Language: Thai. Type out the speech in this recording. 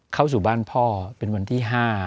เข้าสู่บ้านพ่อเป็นวันที่๕